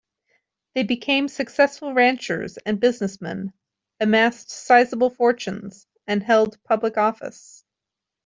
They became successful ranchers and businessmen, amassed sizable fortunes and held public office.